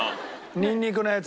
ニンニクのやつ。